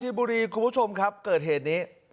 บุรีคุณผู้ชมครับเกิดเหตุนี้